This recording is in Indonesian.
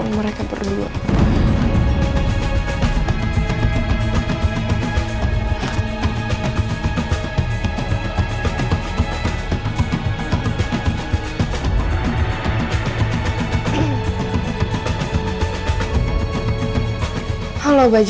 ini baru permulaan